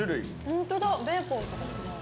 ホントだベーコンとかかな。